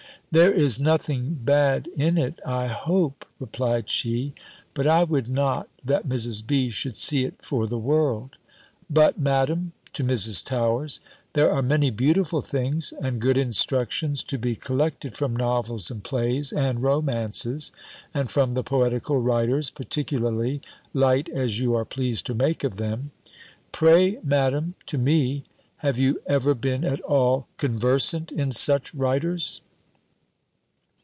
"There is nothing bad in it, I hope," replied she; "but I would not, that Mrs. B. should see it for the world. But, Madam" (to Mrs. Towers), "there are many beautiful things, and good instructions, to be collected from novels and plays, and romances; and from the poetical writers particularly, light as you are pleased to make of them. Pray, Madam" (to me), "have you ever been at all conversant in such writers?"